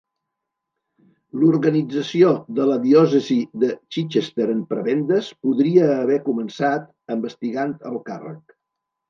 L'organització de la diòcesi de Chichester en prebendes podria haver començat amb Stigand al càrrec.